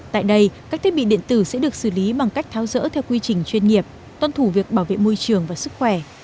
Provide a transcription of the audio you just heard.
tại đây các thiết bị điện tử sẽ được xử lý bằng cách tháo rỡ theo quy trình chuyên nghiệp tuân thủ việc bảo vệ môi trường và sức khỏe